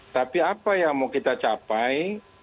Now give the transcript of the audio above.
tapi apa yang mau kita capai